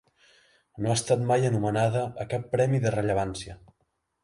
No ha estat mai anomenada a cap premi de rellevància.